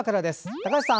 高橋さん！